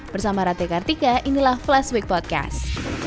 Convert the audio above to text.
bersama rati kartika inilah flash week podcast